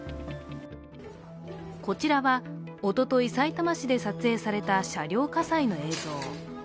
こちらはおととい、さいたま市で撮影された車両火災の映像。